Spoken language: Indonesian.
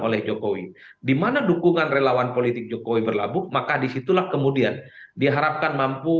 oleh jokowi dimana dukungan relawan politik jokowi berlabuh maka disitulah kemudian diharapkan mampu